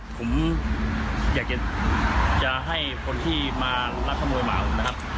ผมอยากจะให้คนที่มารักขโมยหมานะครับ